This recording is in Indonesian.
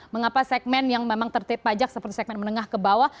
mengapa segmen yang memang tertib pajak seperti segmen menengah ke bawah